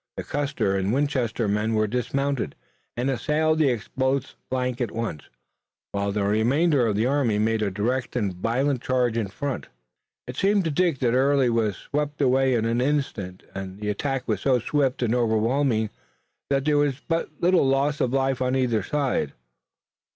The Custer and Winchester men were dismounted and assailed the exposed flank at once, while the remainder of the army made a direct and violent charge in front. It seemed to Dick that Early was swept away in an instant, and the attack was so swift and overwhelming that there was but little loss of life on either side.